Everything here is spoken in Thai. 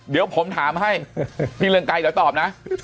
เดี๋ยวผมถามให้พี่เรืองไกรเดี๋ยวตอบนะ